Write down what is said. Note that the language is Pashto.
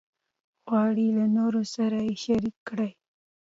غواړي له نورو سره یې شریک کړي.